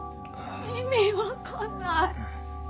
意味分かんない。